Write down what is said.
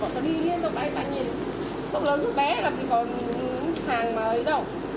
bọn tớ đi liên tục bọn tớ nhìn sâu lớn giữa bé là bởi còn hàng mới đâu